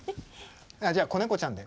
じゃあ子猫ちゃんで。